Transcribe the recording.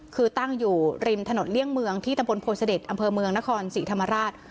คือตั้งอยู่ริมถนนเลี่ยงเมืองที่ตำบลโพเสด็จอำเภอเมืองนครศรีธรรมราช